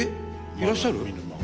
いらっしゃる？